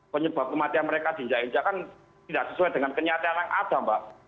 penyebab kematian mereka ginja injak kan tidak sesuai dengan kenyataan yang ada mbak